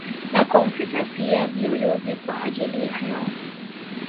Na kompyuta pia viyoyozi kwa ajili ya hewa